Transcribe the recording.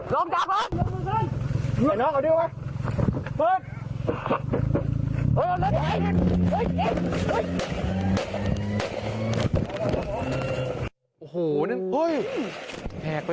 ลงล่างรถไฟมาครับลงล่างรถไฟมาครับลงล่างรถไฟมาครับ